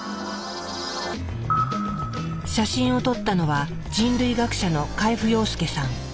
写真を撮ったのは人類学者の海部陽介さん。